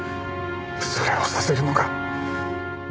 それをさせるのが。